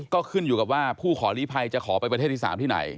ก็ขึ้นอยู่กับว่าผู้ขอลีภัยจะขอไปประเทศที่๓ที่ไหน